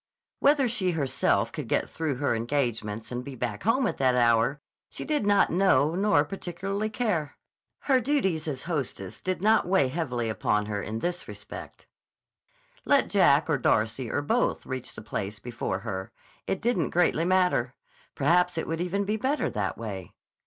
Whether she herself could get through her engagements and be back home at that hour she did not know nor particularly care. Her duties as hostess did not weigh heavily upon her in this respect. Let Jack or Darcy or both reach the place before her; it didn't greatly matter. Perhaps it would even be better that way.